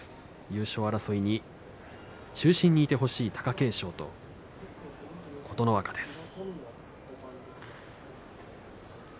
優勝争いに中心にいてほしい貴景勝と琴ノ若です。